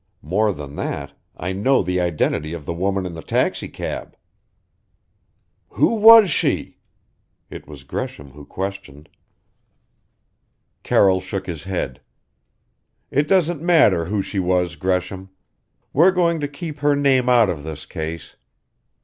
More than that, I know the identity of the woman in the taxicab." "Who was she?" It was Gresham who questioned. Carroll shook his head. "It doesn't matter who she was, Gresham. We're going to keep her name out of this case.